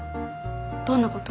どんなこと？